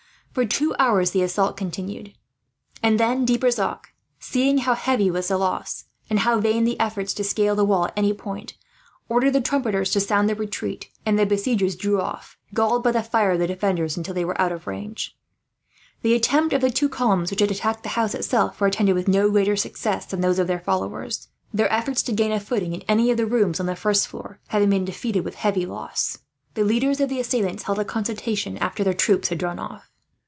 For two hours the assault continued, and then De Brissac, seeing how heavy was the loss, and how vain the efforts to scale the wall at any point, ordered the trumpeters to sound the retreat; when the besiegers drew off, galled by the fire of the defenders until they were out of range. The attempts of the two columns which had attacked the house, itself, were attended with no greater success than those of their fellows; their efforts to gain a footing in any of the rooms on the first floor having been defeated, with heavy loss. The leaders of the assailants held a consultation, after their troops had drawn off.